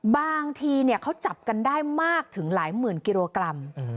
บางทีเขาจับกันได้มากถึงหลายหมื่นกิโลกรัม